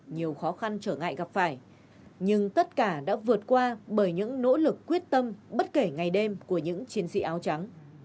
nhiều khó khăn trở ngại gặp phải nhưng tất cả đã vượt qua bởi những nỗ lực quyết tâm bất kể ngày đêm của những chiến sĩ áo trắng